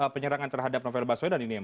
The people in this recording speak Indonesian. penyerangan terhadap novel baswedan